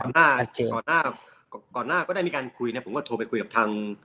ก่อนหน้าก่อนหน้าก็ได้มีการคุยนะผมก็โทรไปคุยกับทาง